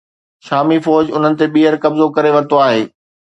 شامي فوج انهن تي ٻيهر قبضو ڪري ورتو آهي